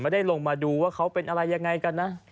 ไม่ได้ลงมาดูว่าเขาเป็นอะไรยังไงกันนะ